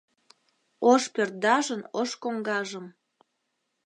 Ош пӧртдажын ош коҥгажым